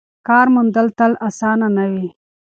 کار موندل تل اسانه نه وي.